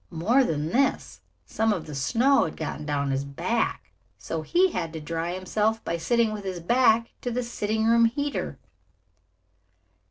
More than this, some of the snow had gotten down his back, so he had to dry himself by sitting with his back to the sitting room heater.